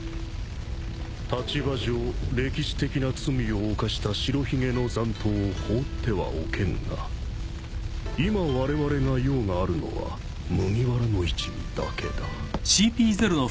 立場上歴史的な罪を犯した白ひげの残党を放ってはおけんが今われわれが用があるのは麦わらの一味だけだ。